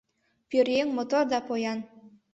Пӧръеҥ мотор да поян.